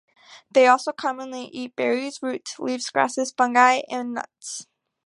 They also commonly eat berries, roots, leaves, grasses, fungi and nuts.